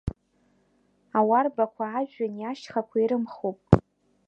Ауарбақәа ажәҩани ашьхақәеи рымхуп.